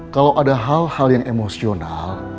kalau ada hal hal yang emosional